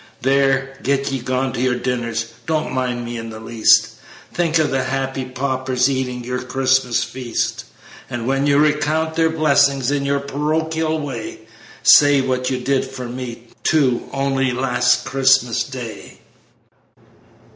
........ "There, get ye gone to your dinners; Don't mind me in the least; Think of the happy paupers Eating your Christmas feast; And when you recount their blessings In your smug parochial way, Say what you did for me, too, Only last Christmas Day."